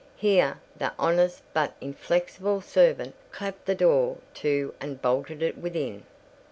Here the honest but inflexible servant clapped the door to and bolted it within.